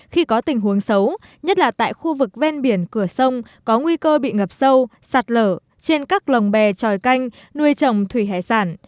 khi có tình huống xấu nhất là tại khu vực ven biển cửa sông có nguy cơ bị ngập sâu sạt lở trên các lồng bè tròi canh nuôi trồng thủy hải sản